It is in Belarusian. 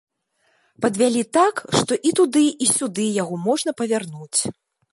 Падвялі так, што і туды, і сюды яго можна павярнуць.